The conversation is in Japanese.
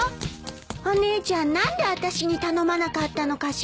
お姉ちゃん何であたしに頼まなかったのかしら。